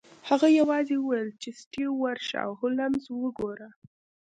هغه یوازې وویل چې سټیو ورشه او هولمز وګوره